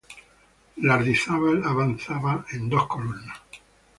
Lardizábal avanzaba en dos columnas.